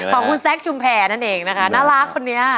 ของคุณแซคชุมแพรนั่นเองนะคะน่ารักคนนี้